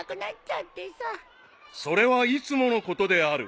［それはいつものことである］